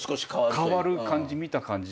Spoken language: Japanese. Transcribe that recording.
変わる感じ見た感じ